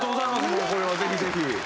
もうこれはぜひぜひ。